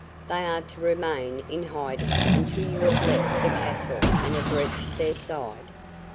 They are to remain in hiding until you have left the castle and have reached their side.